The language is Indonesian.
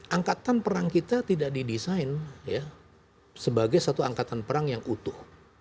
angkatan perang kita tidak didesain sebagai satu angkatan perang yang utuh